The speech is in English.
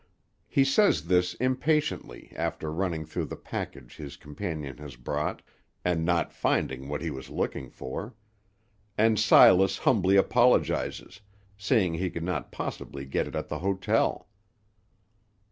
He says this impatiently after running through the package his companion has brought, and not finding what he was looking for; and Silas humbly apologizes, saying he could not possibly get it at the hotel.